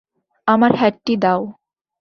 আমার হ্যাটটি দাও।